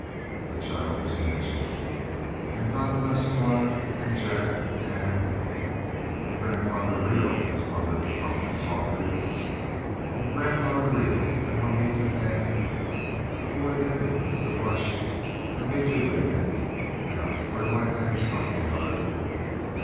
The child was finishing. "And God bless Aura, and Jack, and " "And Grandfather Reoh," his mother prompted softly. "And Grandfather Reoh and mamita, and " The boy ended with a rush "and me too. Amen. Now where do I hang the stocking, mother?"